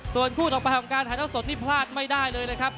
ส่วนคู่ต่อไปของการถ่ายเท่าสดนี่พลาดไม่ได้เลยนะครับ